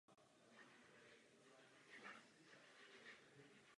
Velká část je dnes uložena v Smithsonian Institution.